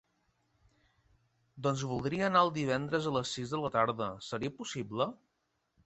Doncs voldria anar el divendres a les sis de la tarda, seria possible?